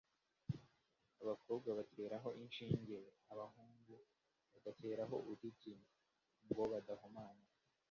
Abakobwa bateraho inshinge, abahungu bagateraho uduti, ngo badahumana